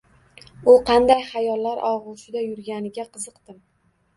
U qanday xayollar ogʻushida yurganiga qiziqdim